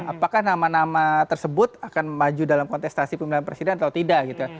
apakah nama nama tersebut akan maju dalam kontestasi pemilihan presiden atau tidak gitu